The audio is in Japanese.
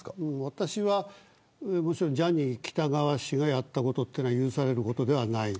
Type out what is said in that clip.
私はジャニー喜多川氏がやったことは許されることではない。